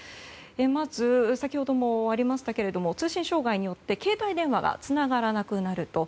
まず、先ほどもありましたが通信障害によって携帯電話がつながらなくなると。